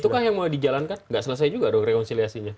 itukah yang mau dijalankan nggak selesai juga dong rekonsiliasinya